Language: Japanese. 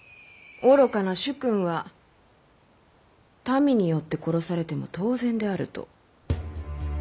愚かな主君は民によって殺されても当然であると。